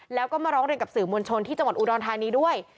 แล้วก็มาร้องเรียนกับสื่อมวลชนที่จังหวัดอุดรธานีด้วย